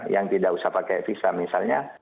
yang tidak usah pakai visa misalnya